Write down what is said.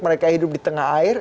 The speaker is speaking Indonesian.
mereka hidup di tengah air